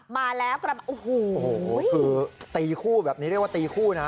มาแล้วครับโอ้โหคือตีคู่แบบนี้เรียกว่าตีคู่นะ